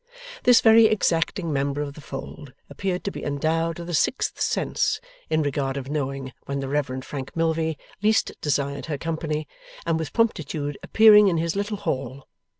This very exacting member of the fold appeared to be endowed with a sixth sense, in regard of knowing when the Reverend Frank Milvey least desired her company, and with promptitude appearing in his little hall.